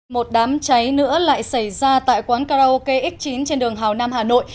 một đám cháy nữa lại xảy ra tại quán karaoke x chín trên đường hào nam hà nội